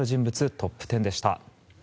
トップ１０でした。